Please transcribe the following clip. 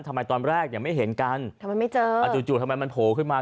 ทำไมตอนแรกไม่เห็นกันจู่ทำไมมันโผล่ที่ขึ้นมา